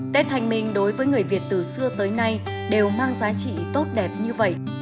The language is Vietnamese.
tết thanh minh đối với người việt từ xưa tới nay đều mang giá trị tốt đẹp như vậy